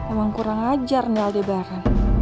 emang kurang ajar nih aldebaran